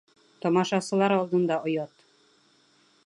Тамашасылар алдында оят!